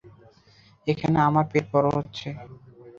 এখন আমারও পেট বড়ো হচ্ছে।